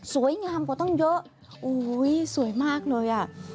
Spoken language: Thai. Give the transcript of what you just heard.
สวยงามก็ต้องเยอะสวยมากเลย